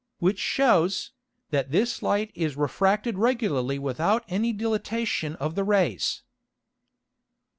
Which shews, that this Light is refracted regularly without any Dilatation of the Rays.